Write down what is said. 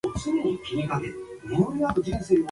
The top two teams will be play in the final.